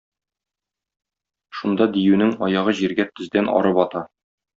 Шунда диюнең аягы җиргә тездән ары бата.